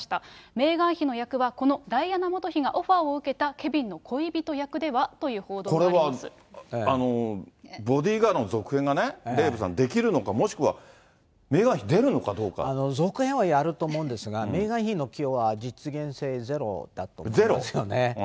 メーガン妃の役は、このダイアナ元妃がオファーを受けたケビンの恋人役ではという報これはボディガードの続編がね、デーブさん、できるのか、もしくは、続編はやると思うんですが、メーガン妃の起用は実現性ゼロだと思いますよね。